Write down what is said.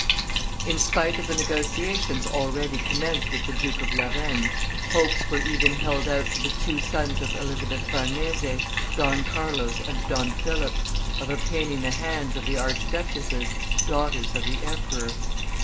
In spite of the negotiations already commenced with the Duke of Lorraine, hopes were even held out to the two sons of Elizabeth Farnese, Don Carlos and Don Philip, of obtaining the hands of the arch duchesses, daughters of the emperor.